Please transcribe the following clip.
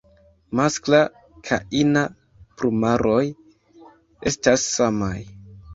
Maskla ka ina plumaroj estas samaj.